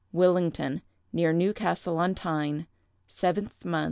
"Willington, near Newcastle on Tyne, _7th mo.